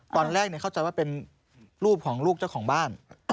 ตอนแรกเข้าใจว่าเป็นรูปของลูกเจ้าของบ้าน